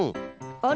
あれ？